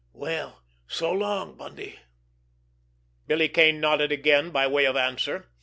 "Well, so long, Bundy!" Billy Kane nodded again by way of answer.